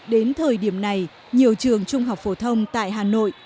đến thời điểm này nhiều trường trung học phổ thông tại hà nội